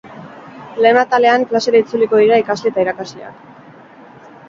Lehen atalean, klasera itzuliko dira ikasle eta irakasleak.